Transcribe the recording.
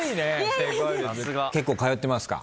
さすが。結構通ってますか？